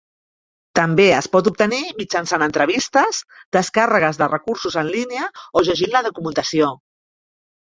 També es pot obtenir mitjançant entrevistes, descàrregues de recursos en línia o llegint la documentació.